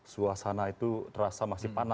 suasana itu terasa masih panas